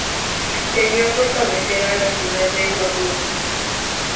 Tenía por cabecera a la ciudad de Guaduas.